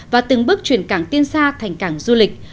và từng bước chuyển cảng tiên xa thành cảng du lịch